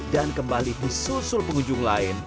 dan kembali di sul sul pengunjung lain